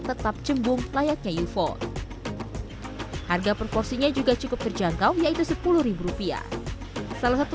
tetap cembung layaknya eufo harga proporsinya juga cukup terjangkau yaitu sepuluh rupiah salah satu